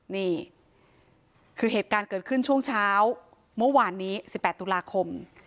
นี่คือเหตุการณ์เกิดขึ้นช่วงเช้าเมื่อวานนี้๑๘ตุลาคม